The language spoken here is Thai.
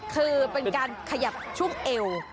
คือเป็นการขยับช่วงเอว